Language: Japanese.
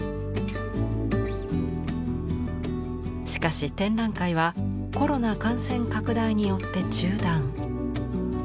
しかし展覧会はコロナ感染拡大によって中断。